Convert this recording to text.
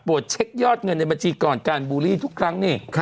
เช็คยอดเงินในบัญชีก่อนการบูลลี่ทุกครั้งนี่